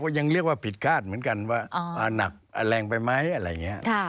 ยังเรียกว่าผิดคาดเหมือนกันว่าหนักแรงไปไหมอะไรอย่างนี้